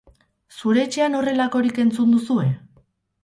Zure etxean horrelakorik entzun duzue?